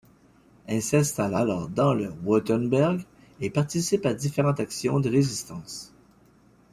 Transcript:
Elle s'installe alors dans le Wurtemberg et participe à différentes actions de résistance.